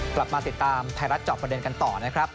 กลับมาติดตามไทยรัฐจอบประเด็นกันต่อนะครับ